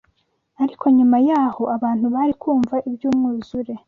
Ariko nyuma y’aho abantu bari kumva iby’umwuzure